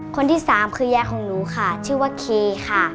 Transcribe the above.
คนที่สามคือยายของหนูค่ะชื่อว่าเคค่ะ